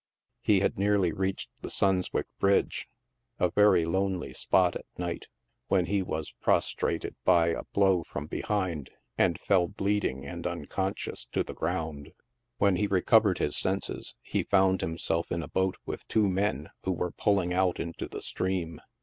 He had nearly reached the Sunswick bridge — a very lonely spot at night — when he was prostrated by a blow from behind, and fell bleeding and unconscious to the ground. When he recovered his senses, he found himself in a boat with two men, who were pulling out into the stream.